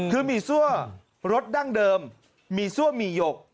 คือหมี่ซั่วรสดั้งเดิมหมี่ซั่วหมี่หยก